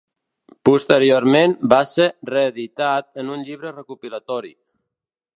Posteriorment va ser reeditat en un llibre recopilatori.